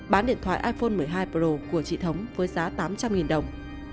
bán điện thoại iphone một mươi hai pro của chị thống với giá tám trăm linh đồng